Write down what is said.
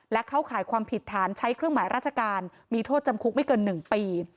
และเข้าข่ายความผิดฐานใช้เครื่องหมายราชการมีโทษจำคุกไม่เกิน๑ปี